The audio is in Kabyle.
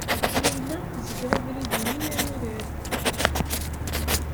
Layla tezger abrid-nni arurad.